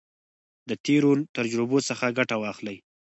د تیرو تجربو څخه ګټه واخلئ.